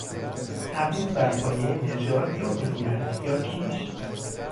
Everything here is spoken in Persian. تبعیض بر پایهی نژاد یا ملیت یا کیش